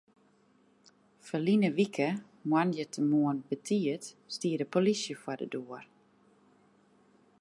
Ferline wike moandeitemoarn betiid stie de polysje foar de doar.